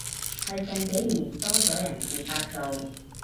係近幾年多咗人自發做